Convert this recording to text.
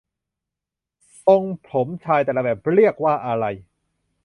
ทรงผมชายแต่ละแบบเรียกว่าอะไร